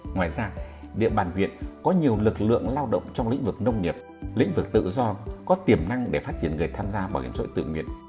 ngoài ra địa bàn huyện có nhiều lực lượng lao động trong lĩnh vực nông nghiệp lĩnh vực tự do có tiềm năng để phát triển người tham gia bảo hiểm xã hội tự nguyện